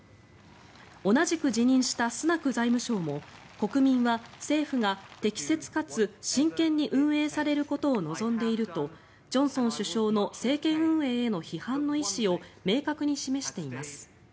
同じく辞任したスナク財務相も国民は政府が適切かつ真剣に運営されることを望んでいるとジョンソン首相の政権運営への批判の意思を明確に示しています。